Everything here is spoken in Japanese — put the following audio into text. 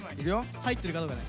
入ってるかどうかね。